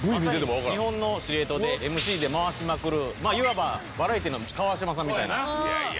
まさに日本の指令塔でＭＣで回しまくるいわばバラエティーの川島さんみたいな。